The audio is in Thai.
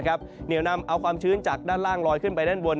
เหนียวนำเอาความชื้นจากด้านล่างลอยขึ้นไปด้านบน